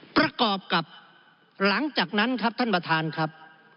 ประกอบกับหลังจากนั้นครับท่านประธานครับ